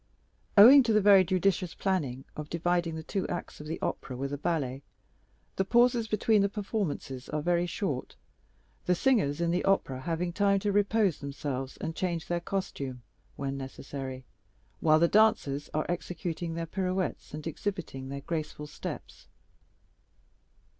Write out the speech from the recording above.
Owing to the very judicious plan of dividing the two acts of the opera with a ballet, the pauses between the performances are very short, the singers in the opera having time to repose themselves and change their costume, when necessary, while the dancers are executing their pirouettes and exhibiting their graceful steps.